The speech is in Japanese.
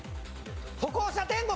歩行者天国？